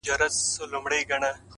• ورته کښې یې ښوده ژر یوه تلکه ,